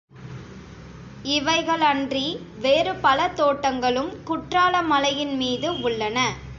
இவைகளன்றி வேறுபல தோட்டங்களும் குற்றாலமலையின்மீது உள்ளன.